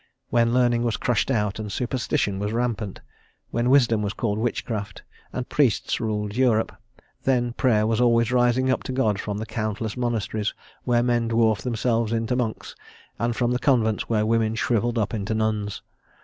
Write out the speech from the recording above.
When learning was crushed out, and superstition was rampant, when wisdom was called witchcraft, and priests ruled Europe, then Prayer was always rising up to God from the countless monasteries where men dwarfed themselves into monks, and from the convents where women shrivelled up into nuns.